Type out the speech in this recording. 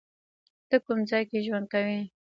ته کوم ځای کې ژوند کوی؟